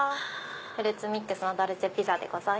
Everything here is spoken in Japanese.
フルーツミックスのドルチェピッツァでございます。